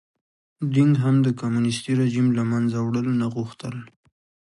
دینګ هم د کمونېستي رژیم له منځه وړل نه غوښتل.